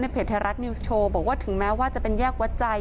เพจไทยรัฐนิวส์โชว์บอกว่าถึงแม้ว่าจะเป็นแยกวัดใจ